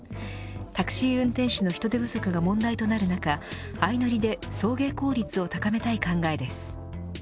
タクシー運転手の人手不足が問題となる中相乗りで送迎効率を高めたい考えです。